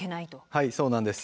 はいそうなんです。